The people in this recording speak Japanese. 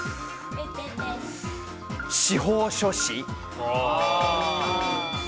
司法書士。